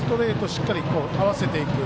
しっかり合わせていく。